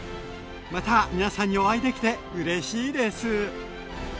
また皆さんにお会いできてうれしいです。